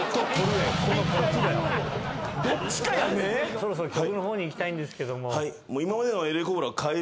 そろそろ曲のほうにいきたいんですけども。